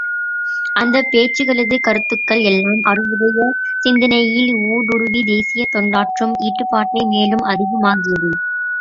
அந்த பேச்சுக்களது கருத்துக்கள் எல்லாம் அவருடைய சிந்தனையில் ஊடுருவி, தேசியக் தொண்டாற்றும் ஈடுபாட்டை மேலும் அதிகமாக்கியது.